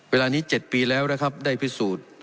เวลานี้๗ปีแล้วนะครับได้พิสูจน์